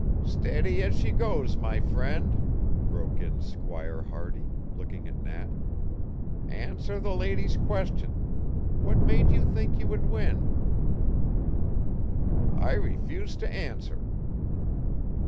"Steady as she goes my friend," broke in Squire Hardy, looking at Nat. "Answer the lady's question. What made you think you would win?" "I refuse to answer."